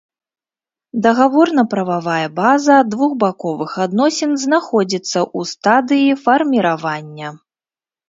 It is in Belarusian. Дагаворна-прававая база двухбаковых адносін знаходзіцца ў стадыі фарміравання.